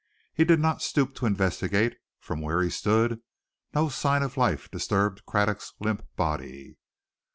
He did not stoop to investigate; from where he stood no sign of life disturbed Craddock's limp body.